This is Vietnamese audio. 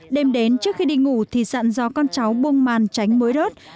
đêm đến trước khi đi ngủ thì giặn do con cháu buông màn tránh mối rớt